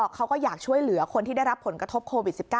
เขาก็อยากช่วยเหลือคนที่ได้รับผลกระทบโควิด๑๙